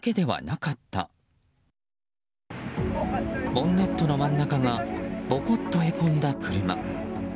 ボンネットの真ん中がボコッとへこんだ車。